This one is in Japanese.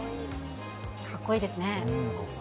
かっこいいですね。